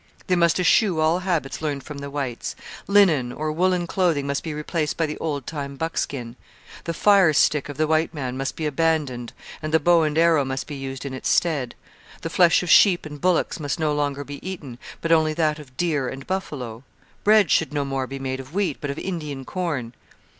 They must eschew all habits learned from the whites. Linen or woollen clothing must be replaced by the old time buckskin; the 'fire stick' of the white man must be abandoned and the bow and arrow must be used in its stead; the flesh of sheep and bullocks must no longer be eaten, but only that of deer and buffalo; bread should no more be made of wheat, but of Indian corn.